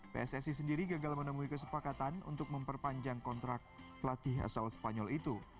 pssi sendiri gagal menemui kesepakatan untuk memperpanjang kontrak pelatih asal spanyol itu